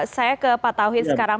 saya ke pak tauhid sekarang